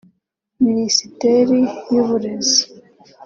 minisiteri y’uburezi